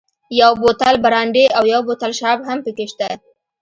یو بوتل برانډي او یو بوتل شراب هم پکې شته.